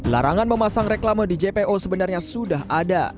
larangan memasang reklama di jpo sebenarnya sudah ada